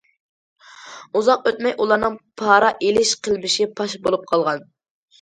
ئۇزاق ئۆتمەي، ئۇلارنىڭ پارا ئېلىش قىلمىشى پاش بولۇپ قالغان.